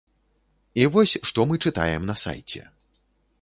І вось, што мы чытаем на сайце.